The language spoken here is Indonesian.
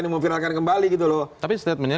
ini memviralkan kembali gitu loh tapi statementnya